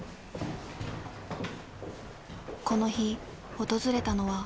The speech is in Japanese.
この日訪れたのは。